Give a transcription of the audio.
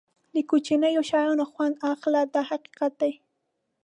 د کوچنیو شیانو خوند اخله دا حقیقت دی.